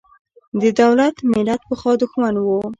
د دولت–ملت پخوا دښمن و.